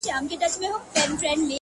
څوک به کاڼۀ څوک به ړاندۀ پوهه کړي؟